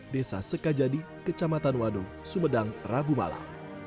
desa sekajadi kecamatan wado sumedang rabu malam